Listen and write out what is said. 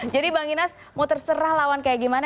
jadi bang inas mau terserah lawan kayak gimana